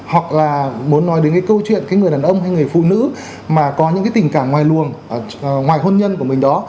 hoặc là muốn nói đến cái câu chuyện cái người đàn ông hay người phụ nữ mà có những cái tình cảm ngoài luồng ngoài hôn nhân của mình đó